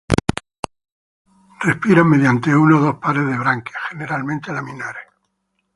Respiran mediante uno o dos pares de branquias, generalmente laminares.